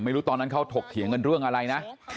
ไม่รู้ตอนนั้นเขาถกเขียนเงินเรื่องอะไรนะ